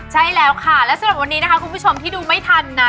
ใช่แล้วค่ะและสำหรับวันนี้นะคะคุณผู้ชมที่ดูไม่ทันนะ